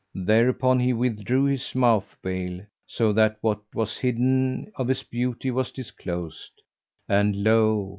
Thereupon he withdrew his mouth veil,[FN#403] so that what was hidden of his beauty was disclosed, and lo!